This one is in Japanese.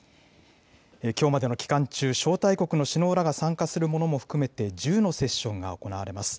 きょうまでの期間中、招待国の首脳らが参加するものも含めて１０のセッションが行われます。